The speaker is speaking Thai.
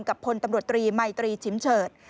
พลตำรวจตรีมัยตรีชิมเฉิด